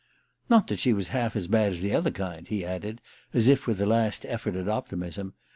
"Not that she was half as bad as the other kind," he added, as if with a last effort at optimism.